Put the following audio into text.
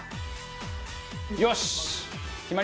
よし！